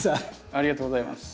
ありがとうございます。